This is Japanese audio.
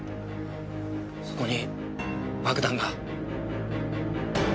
そこに爆弾が。